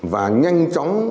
và nhanh chóng